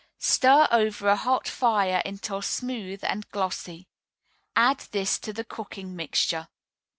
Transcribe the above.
Stir over a hot fire until smooth and glossy. Add this to the cooking mixture.